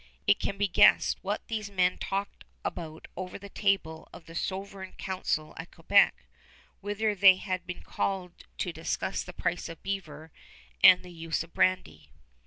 It can be guessed what these men talked about over the table of the Sovereign Council at Quebec, whither they had been called to discuss the price of beaver and the use of brandy.